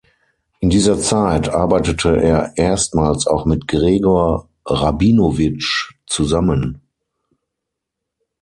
In dieser Zeit arbeitete er erstmals auch mit Gregor Rabinowitsch zusammen.